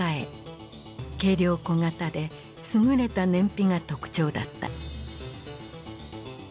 軽量・小型で優れた燃費が特徴だった。